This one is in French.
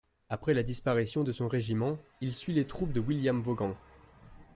Après la disparition de son régiment, il suit les troupes de William Vaughan.